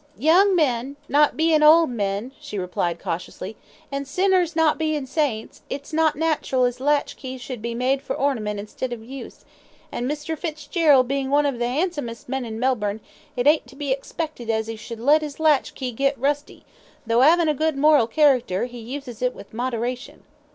"Young men, not bein' old men," she replied, cautiously, "and sinners not bein' saints, it's not nattral as latch keys should be made for ornament instead of use, and Mr. Fitzgerald bein' one of the 'andsomest men in Melbourne, it ain't to be expected as 'e should let 'is latch key git rusty, tho' 'avin' a good moral character, 'e uses it with moderation."